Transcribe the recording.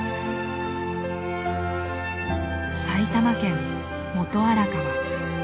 埼玉県元荒川。